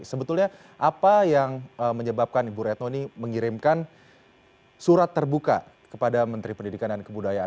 sebetulnya apa yang menyebabkan ibu retno ini mengirimkan surat terbuka kepada menteri pendidikan dan kebudayaan